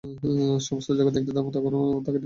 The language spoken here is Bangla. সমগ্র জগতে একটি ধর্ম কখনও থাকিতে পারে না।